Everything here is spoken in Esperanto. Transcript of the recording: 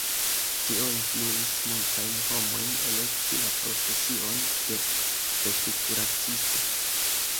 Tio influis multajn homojn elekti la profesion de bestkuracisto.